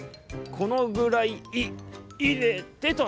このぐらいいいれてと」。